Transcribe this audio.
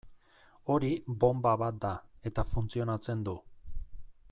Hori bonba bat da, eta funtzionatzen du.